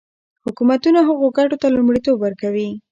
حکومتونه هغو ګټو ته لومړیتوب ورکوي.